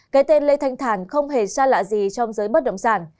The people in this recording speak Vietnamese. cái tên lê thanh thản không hề xa lạ gì trong giới bất động sản